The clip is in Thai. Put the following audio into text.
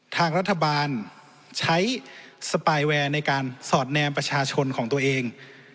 ทางรัฐบาลใช้สปายแวร์ในการสอดแนมประชาชนของตัวเอง